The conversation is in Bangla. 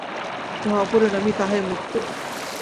যাহা অপরিণামী, তাহাই মুক্ত।